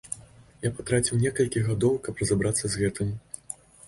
Я патраціў некалькі гадоў, каб разабрацца з гэтым.